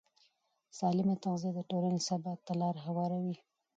سالمه تغذیه د ټولنې ثبات ته لاره هواروي.